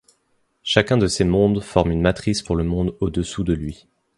Chacun de ces mondes forme une matrice pour le monde au-dessous de lui.